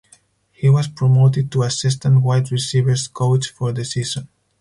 He was promoted to assistant wide receivers coach for the season.